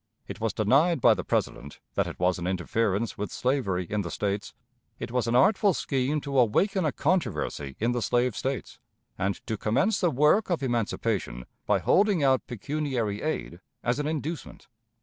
It was denied by the President that it was an interference with slavery in the States. It was an artful scheme to awaken a controversy in the slave States, and to commence the work of emancipation by holding out pecuniary aid as an inducement.